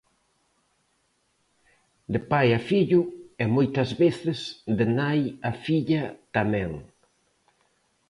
De pai a fillo e moitas veces de nai a filla tamén.